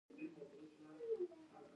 نیلي ښار ولې بادام لري؟